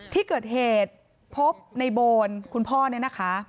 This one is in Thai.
ที่เกิดเหตุพบในโบนคุณพ่อเนี่ยนะคะ